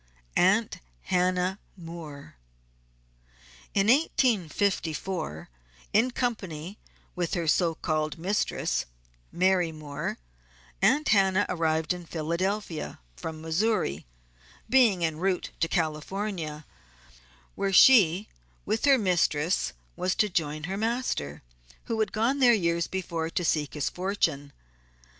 "AUNT HANNAH MOORE." In 1854 in company with her so called Mistress (Mary Moore) Aunt Hannah arrived in Philadelphia, from Missouri, being en route to California, where she with her mistress was to join her master, who had gone there years before to seek his fortune.